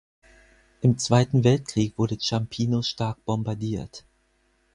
Im Zweiten Weltkrieg wurde Ciampino stark bombardiert.